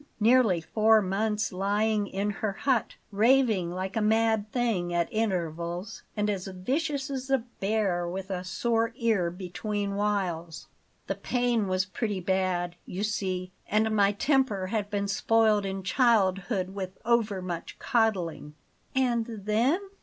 nearly four months lying in her hut, raving like a mad thing at intervals, and as vicious as a bear with a sore ear between whiles. The pain was pretty bad, you see, and my temper had been spoiled in childhood with overmuch coddling." "And then?"